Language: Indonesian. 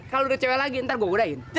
kalo ada cewek lagi ntar gue urusin